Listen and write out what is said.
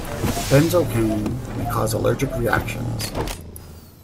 Benzocaine may cause allergic reactions.